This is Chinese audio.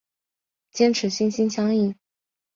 坚持心心相印。